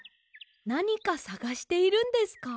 なにかさがしているんですか？